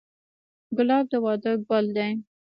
ګلاب د واده ګل دی.